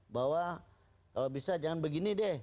bahwa kalau bisa jangan begini deh